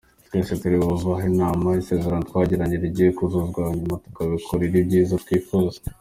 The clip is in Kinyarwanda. Twese turi buve aha inama ari isezerano twagiranye rigiye kuzuzwa hanyuma tukikorera ibyiza twifuza.